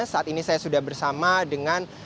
saat ini saya sudah bersama dengan